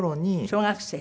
小学生。